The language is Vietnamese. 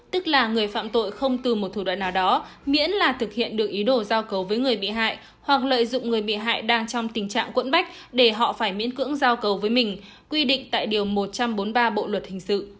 tức là người phạm tội không từ một thủ đoạn nào đó miễn là thực hiện được ý đồ giao cấu với người bị hại hoặc lợi dụng người bị hại đang trong tình trạng cuộn bách để họ phải miễn cưỡng giao cấu với mình